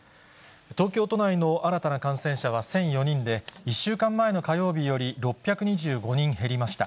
東京都内の新たな感染者は１００４人で、１週間前の火曜日より６２５人減りました。